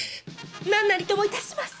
何なりとも致します！